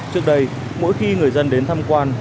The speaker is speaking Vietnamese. trước đây mỗi khi người dân đến thăm quan